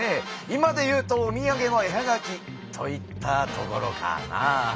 今で言うとおみやげの絵はがきといったところかな。